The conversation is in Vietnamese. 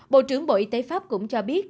bộ trưởng bộ y tế pháp cũng cho biết